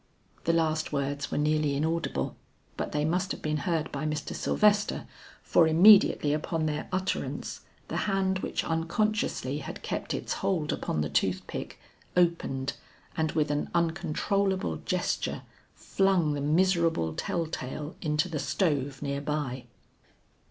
The last words were nearly inaudible but they must have been heard by Mr. Sylvester, for immediately upon their utterance, the hand which unconsciously had kept its hold upon the tooth pick, opened and with an uncontrollable gesture flung the miserable tell tale into the stove near by.